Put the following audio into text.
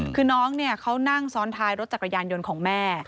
คือน้องเขานั่งซ้อนท้ายรถจักรยานยนต์ของแม่